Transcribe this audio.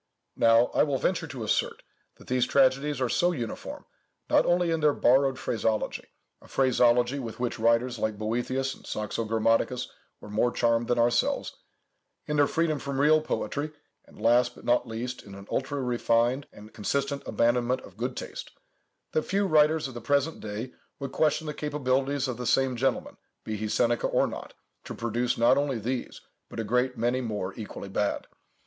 Now, I will venture to assert, that these tragedies are so uniform, not only in their borrowed phraseology—a phraseology with which writers like Boethius and Saxo Grammaticus were more charmed than ourselves—in their freedom from real poetry, and last, but not least, in an ultra refined and consistent abandonment of good taste, that few writers of the present day would question the capabilities of the same gentleman, be he Seneca or not, to produce not only these, but a great many more equally bad.